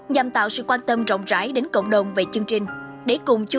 nhằm tạo sự quan tâm rộng rãi đến cộng đồng về chương trình